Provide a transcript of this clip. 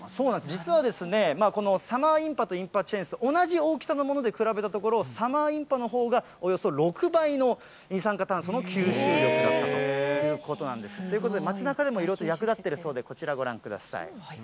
実は、このサマーインパとインパチェンス、同じ大きさのもので比べてみると、サマーインパのほうがおよそ６倍の二酸化炭素の吸収力だったということなんです。ということで、町なかでもいろいろと役立ってるそうで、こちらご覧ください。